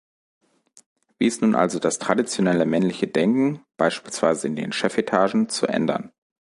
Wie ist nun also das traditionelle männliche Denken, beispielsweise in den Chefetagen, zu ändern?